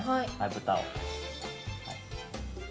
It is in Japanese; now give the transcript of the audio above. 豚を。